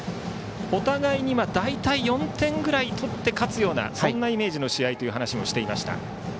お互いに大体、４点ぐらい取って勝つようなイメージの試合という話をしていました。